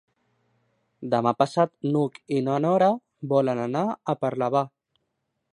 Demà passat n'Hug i na Nora volen anar a Parlavà.